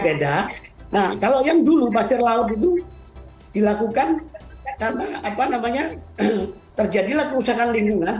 beda nah kalau yang dulu pasir laut itu dilakukan karena apa namanya terjadilah kerusakan lingkungan